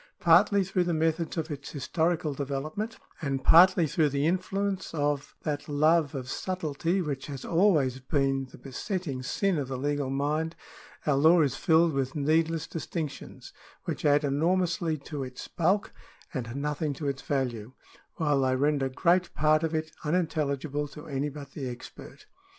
Partly through the methods of its historical development, and partly through the influence of 26 ClVUu LAW L§ 10 that love of subtilty which has always been the besetting sin of the legal mind, our law is filled with needless distinctions, which add enormously to its bulk and nothing to its value, while they render great part of it unintelligible to any but the expert.